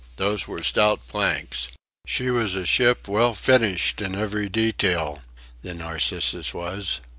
Those were stout planks. She was a ship, well finished in every detail the Narcissus was.